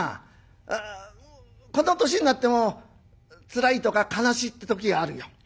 この年になってもつらいとか悲しいって時があるよ。